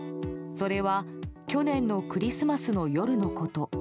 それは、去年のクリスマスの夜のこと。